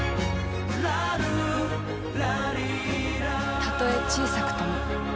たとえ小さくとも。